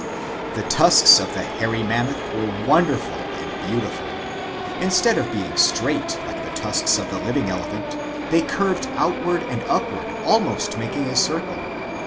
The tusks of the Hairy Mammoth were wonderful and beautiful. Instead of being straight like the tusks of the living elephant, they curved outward and upward almost making a circle.